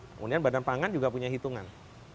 kemudian badan pangan juga punya hitungan